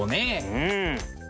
うん。